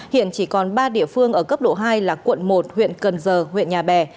hiện chỉ còn ba địa phương ở cấp độ hai là quận một huyện cần giờ huyện nhà bè